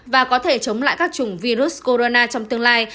và có thể chống lại các chủng virus corona trong tương lai